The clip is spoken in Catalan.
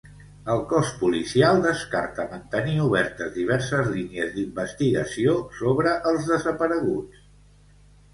El cos policial descarta mantenir obertes diverses línies d'investigació sobre els desapareguts.